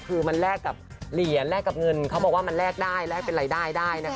คือมันแลกกับเหรียญแลกกับเงินเขาบอกว่ามันแลกได้แลกเป็นรายได้ได้นะคะ